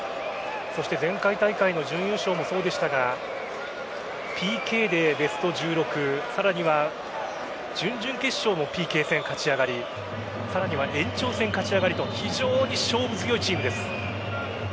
そして前回大会の準優勝もそうでしたがＰＫでベスト１６さらには準々決勝もＰＫ戦勝ち上がりさらには延長戦勝ち上がりと非常に勝負強いチームです。